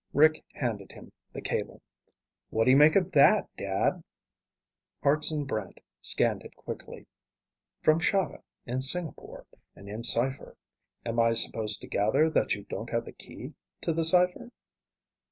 Rick handed him the cable. "What do you make of that, Dad?" Hartson Brant scanned it quickly. "From Chahda, in Singapore, and in cipher. Am I supposed to gather that you don't have the key to the cipher?"